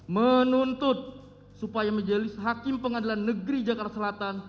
menuntut supaya majelis hakim pengadilan negeri jakarta selatan